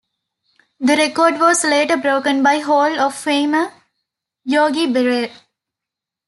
The record was later broken by Hall of Famer Yogi Berra.